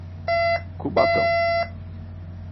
Cubatão